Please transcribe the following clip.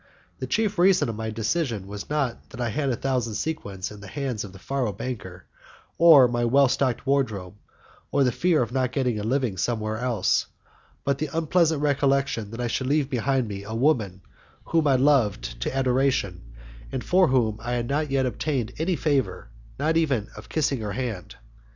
The chief cause of my decision was not that I had a thousand sequins in the hands of the faro banker, or my well stocked wardrobe, or the fear of not getting a living somewhere else, but the unpleasant recollection that I should leave behind me a woman whom I loved to adoration, and from whom I had not yet obtained any favour, not even that of kissing her hand.